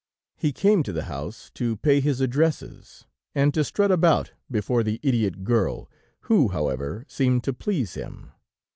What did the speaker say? He came to the house to pay his addresses, and to strut about before the idiot girl, who, however, seemed to please him.